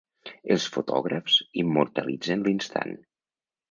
Els fotògrafs immortalitzen l'instant.